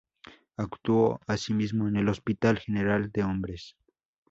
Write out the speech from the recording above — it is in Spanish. Actuó asimismo en el Hospital General de Hombres.